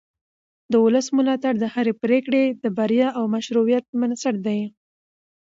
د ولس ملاتړ د هرې پرېکړې د بریا او مشروعیت بنسټ دی